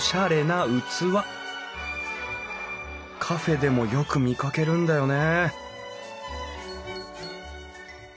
カフェでもよく見かけるんだよね